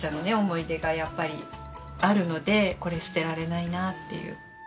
思い出がやっぱりあるのでこれ捨てられないなっていう。